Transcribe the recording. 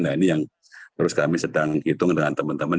nah ini yang terus kami sedang hitung dengan teman teman